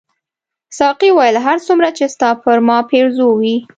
ساقي وویل هر څومره چې ستا پر ما پیرزو وې.